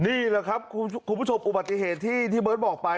นี่แหละครับคุณผู้ชมอุบัติเหตุที่พี่เบิร์ตบอกไป